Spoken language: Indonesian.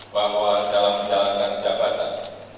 bahwa dalam jalankan jabatan